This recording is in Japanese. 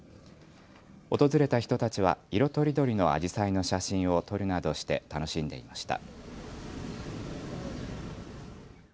訪れた人たちは色とりどりのアジサイの写真を撮るなどして楽しんでいました。